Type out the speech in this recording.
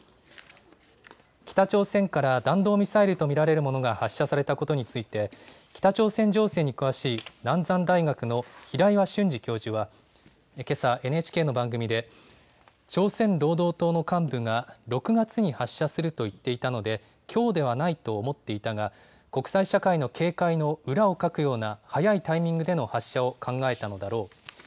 北朝鮮から弾道ミサイルと見られるものが発射されたことについて、北朝鮮情勢に詳しい、南山大学の平岩俊司教授は、けさ、ＮＨＫの番組で、朝鮮労働党の幹部が、６月に発射すると言っていたので、きょうではないと思っていたが、国際社会の警戒の裏をかくような早いタイミングでの発射を考えたのだろう。